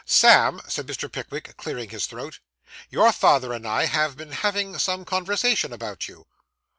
'Sam,' said Mr. Pickwick, clearing his throat, 'your father and I have been having some conversation about you.